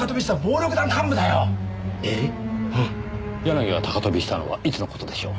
柳が高飛びしたのはいつの事でしょう？